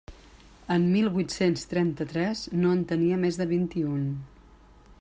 En mil vuit-cents trenta-tres no en tenia més de vint-i-un.